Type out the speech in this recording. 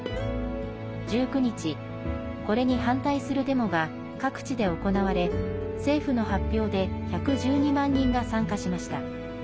１９日、これに反対するデモが各地で行われ政府の発表で１１２万人が参加しました。